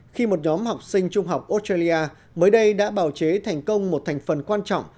khi một nhóm học sinh trung học australia mới đây đã bào chế thành công một thành phần quan trọng